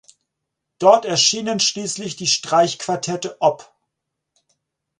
Dort erschienen schließlich die Streichquartette op.